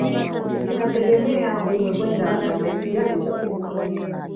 Inategemea umekwenda na kiasi gani cha pesa